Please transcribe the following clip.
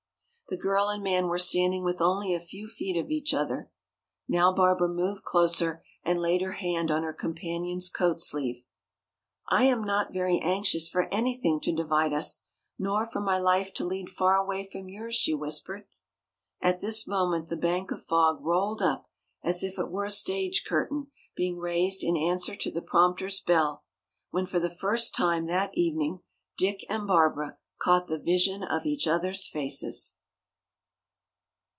The girl and man were standing within only a few feet of each other. Now Barbara moved closer and laid her hand on her companion's coat sleeve. "I am not very anxious for anything to divide us, nor for my life to lead far away from yours," she whispered. At this moment the bank of fog rolled up as if it were a stage curtain being raised in answer to the prompter's bell, when for the first time that evening Dick and Barbara caught the vision of each other's faces.